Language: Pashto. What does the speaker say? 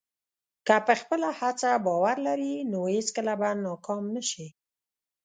که په خپله هڅه باور لرې، نو هېڅکله به ناکام نه شې.